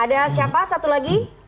ada siapa satu lagi